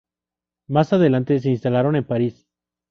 Más adelante se instalaron en París.